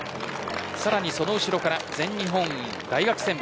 さらにその後ろから全日本大学選抜